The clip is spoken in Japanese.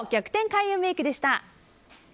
開運メイクでした。